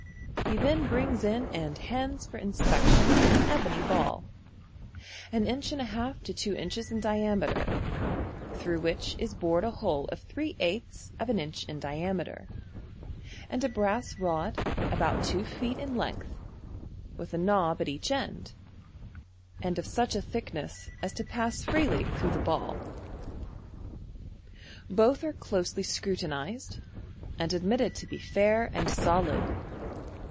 He then brings in and hands for inspection an ebony ball, an inch and a half to two inches in diametei (through which is bored a hole of three eighths of an inch in diameter) and a brass rod about tv/o feet in length, with a knob at each end, and of such a thickness as to pass freely through the ball. Both ar« closely scrutinized, and admitted to be fair and solid.